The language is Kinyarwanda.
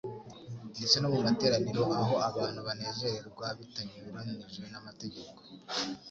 ndetse no mu materaniro aho abantu banezererwa bitanyuranije n'amategeko.